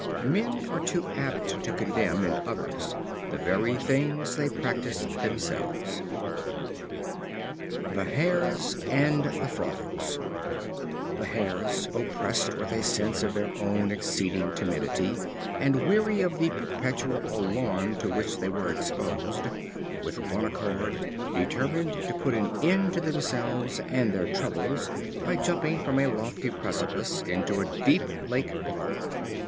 Men are too apt to condemn in others the very things they practice themselves. The Hares and the Frogs. The Hares, oppressed with a sense of their own exceeding timidity, and weary of the perpetual alarm to which they were exposed, with one accord determined to put an end to themselves and their troubles, by jumping from a lofty precipice into a deep lake below.